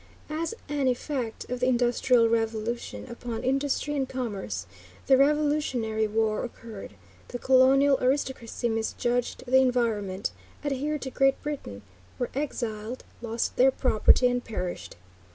As an effect of the Industrial Revolution upon industry and commerce, the Revolutionary War occurred, the colonial aristocracy misjudged the environment, adhered to Great Britain, were exiled, lost their property, and perished.